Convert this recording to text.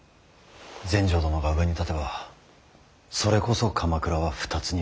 全成殿が上に立てばそれこそ鎌倉は２つに割れる。